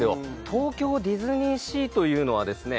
東京ディズニーシーというのはですね